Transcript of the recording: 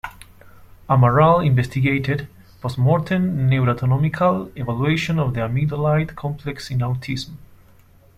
Amaral investigated "Postmortem Neuroanatomical Evaluation of the Amygdaloid Complex in Autism".